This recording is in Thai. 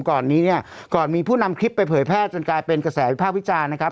ก่อนนี้เนี่ยก่อนมีผู้นำคลิปไปเผยแพร่จนกลายเป็นกระแสวิภาพวิจารณ์นะครับ